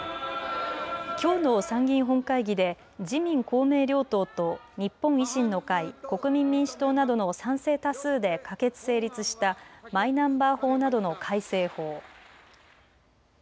きょうの参議院本会議で自民・公明両党と日本維新の会、国民民主党などの賛成多数で可決、成立したマイナンバー法などの改正法。